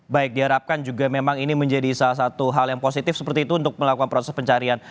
baik diharapkan juga memang ini menjadi salah satu hal yang positif seperti itu untuk melakukan proses pencarian